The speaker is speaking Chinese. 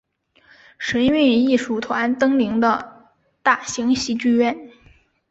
神韵艺术团登临的大型戏剧院。